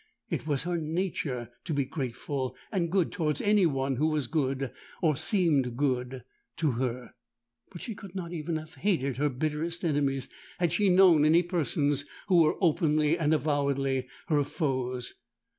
It was her nature to be grateful and good towards any one who was good—or seemed good—to her. But she could not even have hated her bitterest enemies, had she known any persons who were openly and avowedly her foes.